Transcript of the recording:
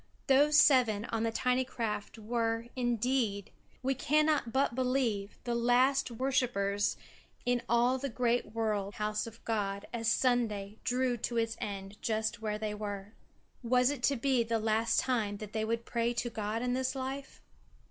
Those seven on the tiny craft were, indeed, we cannot but believe, the last worshippers in all the great world house of God as Sunday drew to its end just where they were. Was it to be the last time that they would pray to God in this life?